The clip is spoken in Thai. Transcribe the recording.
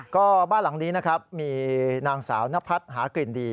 ก็บ้านหลังนี้มีนางสาวนพัดหากลิ่นดี